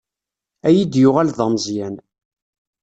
Ad iyi-d-yuɣal d ameẓyan.